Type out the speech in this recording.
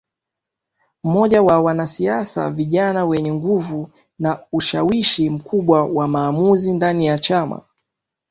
mmoja wa wanasiasa vijana wenye nguvu na ushawishi mkubwa wa maamuzi ndani ya Chama